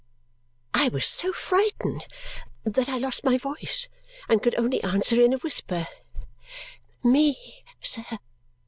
I was so frightened that I lost my voice and could only answer in a whisper, "Me, sir?"